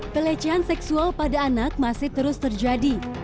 pelecehan seksual pada anak masih terus terjadi